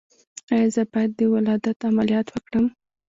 ایا زه باید د ولادت عملیات وکړم؟